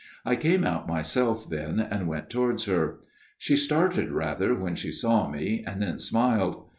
I came out myself then and went towards her. She started rather when she saw me and then smiled.